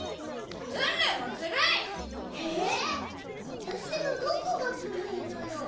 わたしのどこがずるいのよ。